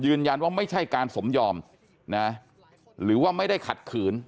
ไม่ใช่การสมยอมนะหรือว่าไม่ได้ขัดขืน